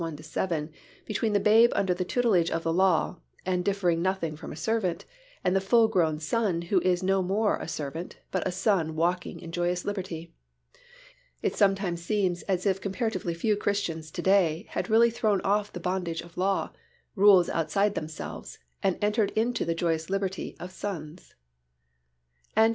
1 7 between the babe under the tutelage of the law and differing nothing from a servant, and the full grown son who is no more a servant but a son walking in joyous liberty. It sometimes seems as if comparatively few Christians to day had really thrown off the bondage of law, rules outside themselves, and entered into the joyous liberty of sons. CHAPTER XV.